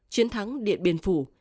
chiến thắng điện biên phủ